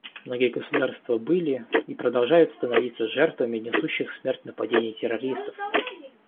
Многие государства были и продолжают становиться жертвами несущих смерть нападений террористов.